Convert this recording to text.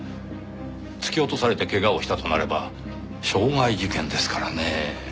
突き落とされて怪我をしたとなれば傷害事件ですからねぇ。